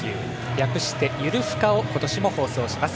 略して「ゆるふか！」を今年も放送します。